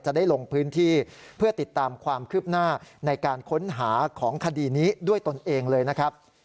ได้ลงพื้นที่เพื่อติดตามความคืบหน้าในการค้นหาของคดีนี้ด้วยตนเองเลยนะครับ